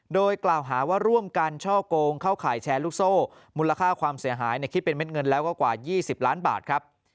โดยกล่าวหาว่าร่วมกันช่อกงเข้าข่ายแชร์ลูกโซ่มูลค่าความเสียหายคิดเป็นเม็ดเงินแล้วก็กว่า๒๐ล้านบาทครับ